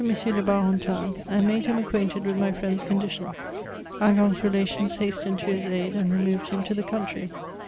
de Earentin, and made him acquainted with my friend *s condition. Hingant's relations hastened to his aid^ and removed him to the country.